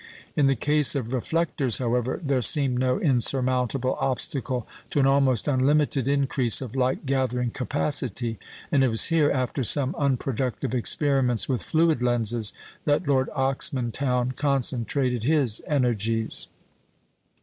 In the case of reflectors, however, there seemed no insurmountable obstacle to an almost unlimited increase of light gathering capacity; and it was here, after some unproductive experiments with fluid lenses, that Lord Oxmantown concentrated his energies.